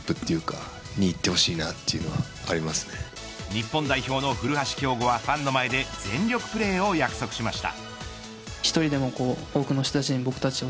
日本代表の古橋亨梧はファンの前で全力プレーを約束しました。